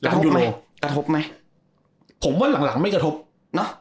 อยู่ในกระทบไหมผมว่าหลังหลังไม่กระทบเนอะ